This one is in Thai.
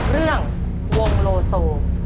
เรื่องวงโลโซ